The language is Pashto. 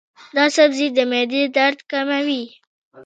دا سبزی د معدې درد کموي.